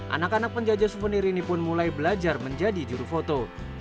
anak anak penjajah suvenir ini pun mulai belajar menjadi juru foto